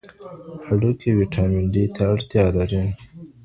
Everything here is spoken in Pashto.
هډوکي ویټامن ډي ته اړتیا لري.